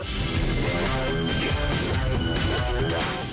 ก็คือยูดับแยก